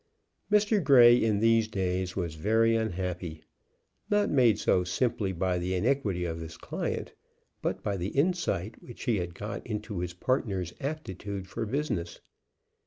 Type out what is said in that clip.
Mr. Grey in these days was very unhappy, not made so simply by the iniquity of his client, but by the insight which he got into his partner's aptitude for business.